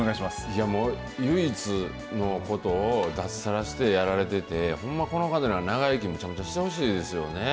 いやもう、唯一のことを脱サラしてやられてて、ほんまこの方、長生きむちゃくちゃしてほしいですよね。